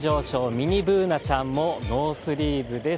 ミニＢｏｏｎａちゃんもノースリーブです。